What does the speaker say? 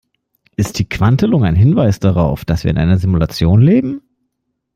Ist die Quantelung ein Hinweis darauf, dass wir in einer Simulation leben?